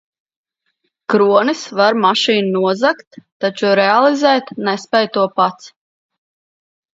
Kronis var mašīnu nozagt, taču realizēt nespēj to pats.